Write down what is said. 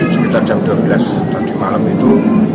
sekitar jam dua belas tadi malam itu